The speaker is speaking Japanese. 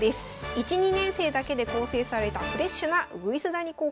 １２年生だけで構成されたフレッシュな鶯谷高校チーム。